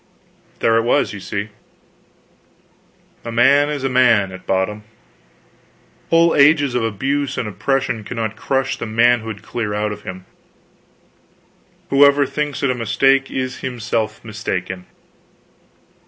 There it was, you see. A man is a man, at bottom. Whole ages of abuse and oppression cannot crush the manhood clear out of him. Whoever thinks it a mistake is himself mistaken.